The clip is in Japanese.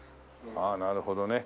あっなるほどね。